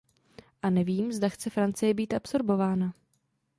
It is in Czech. A nevím, zda chce Francie být absorbována.